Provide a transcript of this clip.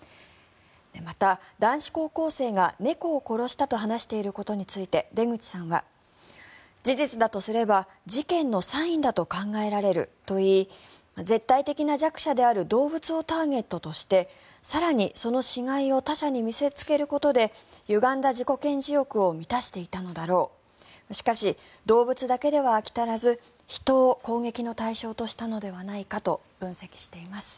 また、男子高校生が猫を殺したと話していることについて出口さんは事実だとすれば事件のサインだと考えられるといい絶対的な弱者である動物をターゲットとして更に、その死骸を他者に見せつけることでゆだんだ自己顕示欲を満たしていたのだろうしかし、動物だけでは飽き足らず人を攻撃の対象としたのではないかと分析しています。